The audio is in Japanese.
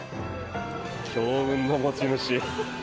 強運の持ち主。